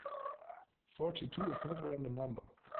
Forty-two is not a random number.